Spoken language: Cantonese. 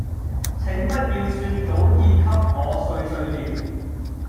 請不要說早已給我碎碎唸